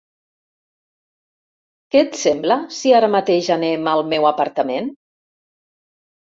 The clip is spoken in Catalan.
¿Què et sembla si ara mateix anem al meu apartament.